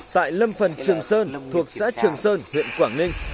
tại lâm phần trường sơn thuộc xã trường sơn huyện quảng ninh